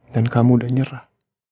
dan kamu sudah menyerah